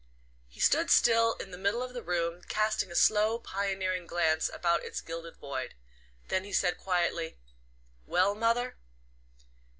He stood still in the middle of the room, casting a slow pioneering glance about its gilded void; then he said gently: "Well, mother?"